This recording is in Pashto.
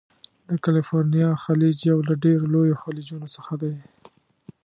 د کلفورنیا خلیج یو له ډیرو لویو خلیجونو څخه دی.